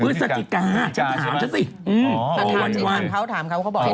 พฤศจิกายนฉันถามเธอสิ